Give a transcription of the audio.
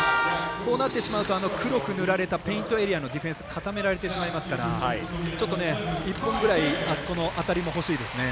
こうなってしまうと黒く塗られたペイントエリアのディフェンス固められてしまいますからちょっと１本ぐらいあそこの当たりも欲しいですね。